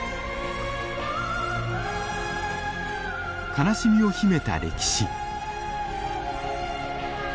悲しみを秘めた歴史。